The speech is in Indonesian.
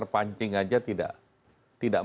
pancing aja tidak